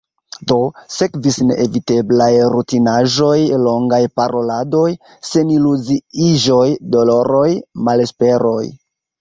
Do, sekvis neeviteblaj rutinaĵoj – longaj paroladoj, seniluziiĝoj, doloroj, malesperoj...